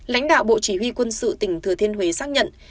lãnh đạo bộ chỉ huy quân sự tỉnh thừa thiên huế xác nhận